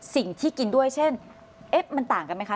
สิ่งที่กินด้วยเช่นเอ๊ะมันต่างกันไหมคะ